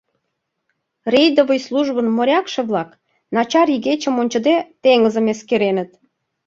Рейдовый службын морякше-влак, начар игечым ончыде, теҥызым эскереныт.